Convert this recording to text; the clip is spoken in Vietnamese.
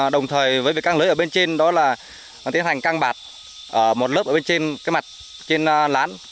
đồng thời với việc căng lưới ở bên trên đó là tiến hành căng bạt ở một lớp ở bên trên mặt trên lán